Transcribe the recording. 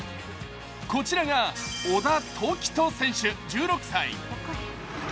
こちらが小田凱人選手１６歳。